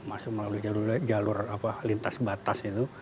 masuk melalui jalur lintas batas itu